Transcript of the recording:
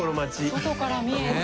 外から見えて。